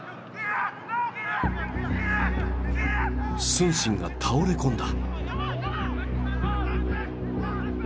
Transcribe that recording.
承信が倒れ込んだ。